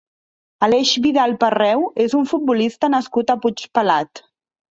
Aleix Vidal Parreu és un futbolista nascut a Puigpelat.